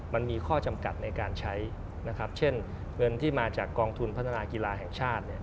มันมีข้อจำกัดในการใช้นะครับเช่นเงินที่มาจากกองทุนพัฒนากีฬาแห่งชาติ